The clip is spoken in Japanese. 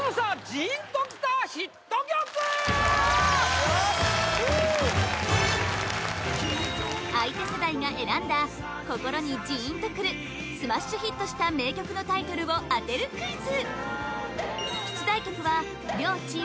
ジーンときたヒット曲相手世代が選んだ心にジーンとくるスマッシュヒットした名曲のタイトルを当てるクイズ